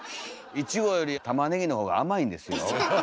いちごよりたまねぎの方が甘いんですよ？